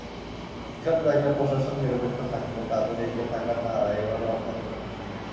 এসব জায়গায় প্রশাসন নিরপেক্ষ থাকলে তাঁদের এগিয়ে থাকার ধারা এবারও অব্যাহত থাকত।